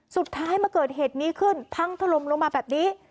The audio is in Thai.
สุดท้ายมาเกิดเหตุนี้ขึ้นพังถล่มลงมาแบบนี้